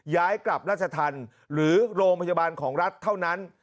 ย้ายกลับราชธรรมหรือโรงพยาบาลของรัฐเท่านั้น